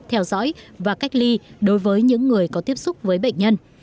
theo dõi và cách ly đối với những người có tiếp xúc với bệnh nhân